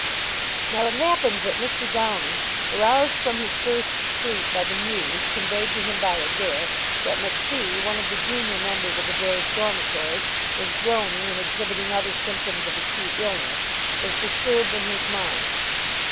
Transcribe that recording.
Now it happened that Mr. Downing, aroused from his first sleep by the news, conveyed to him by Adair, that MacPhee, one of the junior members of Adair's dormitory, was groaning and exhibiting other symptoms of acute illness, was disturbed in his mind.